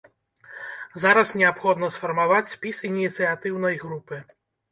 Зараз неабходна сфармаваць спіс ініцыятыўнай групы.